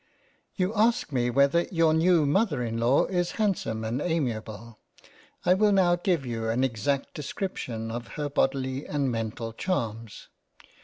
You ask me whether your new Mother in law is handsome and amiable — I will now give you an exact description of k 57 ^ JANE AUSTEN £ her bodily and mental charms.